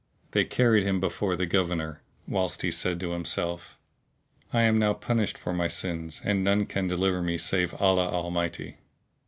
They carried him before the Governor, whilst he said to himself, "I am now punished for my sins and none can deliver me save Allah Almighty!"